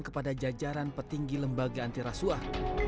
kepada jajaran petinggi lembaga anti rasuah